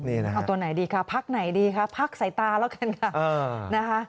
เอาตัวไหนดีครับพักไหนดีครับพักใส่ตาแล้วกันค่ะ